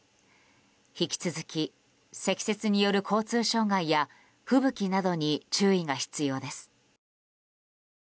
引き続き、積雪による交通障害や吹雪などに注意が必要です。